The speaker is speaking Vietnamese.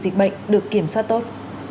dịch bệnh được kiểm soát tốt